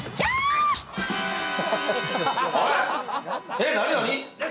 えっ何何？